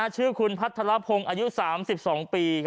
ชื่อคุณพัทรพงศ์อายุ๓๒ปี